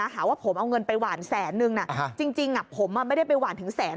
แสนนึงจริงผมไม่ได้ไปหวานถึงแสน